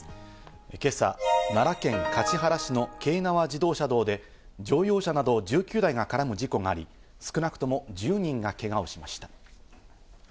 今朝、奈良県橿原市の京奈和自動車道で、乗用車など１９台が絡む事故があり、少なくとも１０人がけがをしました。